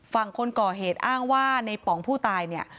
ฝั่งคนก่อเหตุอ้างว่าในป๋องผู้ตายเนี่ย